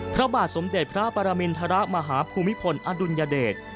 พระบาทสมเด็จพระปรมินทรมาฮภูมิพลอดุลยเดช